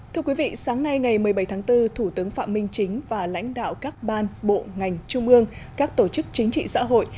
thưa quý vị sáng nay ngày một mươi bảy tháng bốn thủ tướng phạm minh chính và lãnh đạo các ban bộ ngành trung ương các tổ chức chính trị xã hội